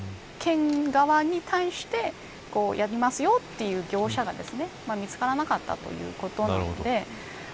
県側に対してやりますよ、という業者が見つからなかったということです。